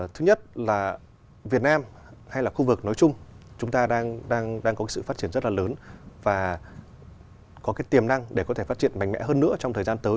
thứ nhất là việt nam hay là khu vực nói chung chúng ta đang có sự phát triển rất là lớn và có cái tiềm năng để có thể phát triển mạnh mẽ hơn nữa trong thời gian tới